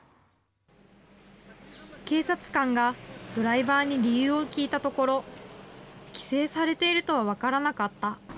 警察官がドライバーに理由を聞いたところ、規制されているとは分からなかった。